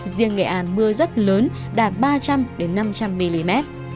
riêng nghệ an mưa rất lớn đạt ba trăm linh năm trăm linh mm